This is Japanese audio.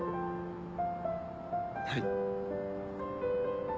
はい。